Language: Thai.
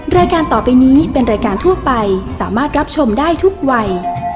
รายการต่อไปนี้เป็นรายการทั่วไปสามารถรับชมได้ทุกวัย